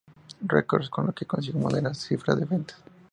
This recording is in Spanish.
Records, con lo que consiguió moderadas cifras de ventas.